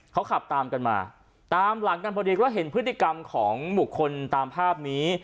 เขาขับตามกันมาตามหลังกันพอดีก็เห็นพฤติกรรมของบุคคลตามภาพนี้